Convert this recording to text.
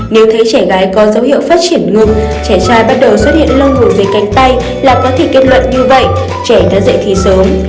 nếu thấy trẻ gái có dấu hiệu phát triển ngưng trẻ trai bắt đầu xuất hiện lông ngủi dưới cánh tay là có thể kết luận như vậy trẻ đã dạy thi sớm